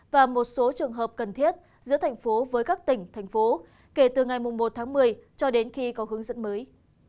và một số trường hợp cần thiết giữa thành phố với các tỉnh thành phố kể từ ngày một tháng một mươi cho đến khi có hướng dẫn mới